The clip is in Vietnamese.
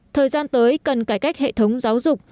thời gian tới cần cải cách hệ thống giáo dục